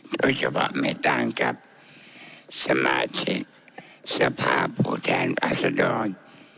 โดยเฉพาะไม่ต่างกับสมาชิกสภาพผู้แทนราษดร